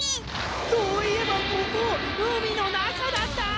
そういえばここ海の中だった！